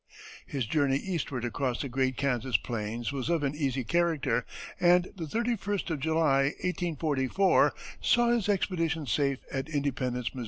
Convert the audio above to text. His journey eastward across the great Kansas plains was of an easy character, and the 31st of July, 1844, saw his expedition safe at Independence, Mo.